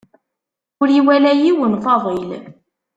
Ur iwala yiwen Faḍil.